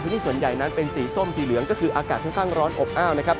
ส่วนใหญ่นั้นเป็นสีส้มสีเหลืองก็คืออากาศค่อนข้างร้อนอบอ้าวนะครับ